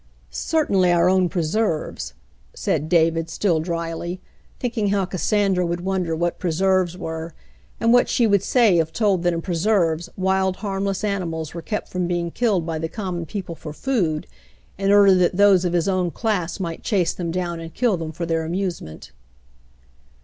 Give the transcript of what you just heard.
"Certainly, our own preserves," said David, still dryly, David visits his Mother 229 thinking how Cassandra would wonder what preserves were, and what she would say if told that in preserves, wild harmless animals were kept from being killed by the common people for food, in order that those of his own class might chase them down and kill them for their amusement.